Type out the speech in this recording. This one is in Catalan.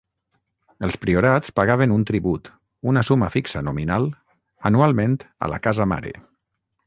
Els priorats pagaven un tribut, una suma fixa nominal, anualment a la "casa mare".